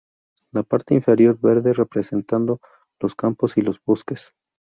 La parte inferior verde representando los campos y los bosques.